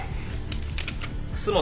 楠本。